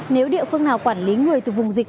nếu địa phương nào quản lý người từ vùng dịch